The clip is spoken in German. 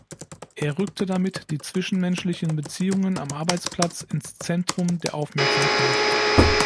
Er rückte damit die zwischenmenschlichen Beziehungen am Arbeitsplatz ins Zentrum der Aufmerksamkeit.